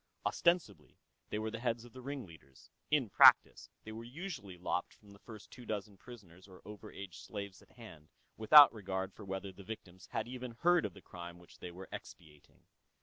Ostensibly, they were the heads of the ringleaders: in practice, they were usually lopped from the first two dozen prisoners or over age slaves at hand, without regard for whether the victims had even heard of the crime which they were expiating.